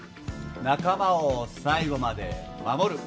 仲間を最後まで守る。